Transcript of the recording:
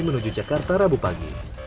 menuju jakarta rabu pagi